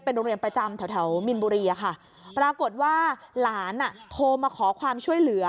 เป็นโรงเรียนประจำแถวมิลบุรีปรากฏว่าหลานโทรมาขอความช่วยเหลือ